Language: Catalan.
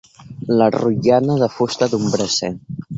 La rotllana de fusta d'un braser.